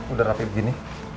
udah rapi begini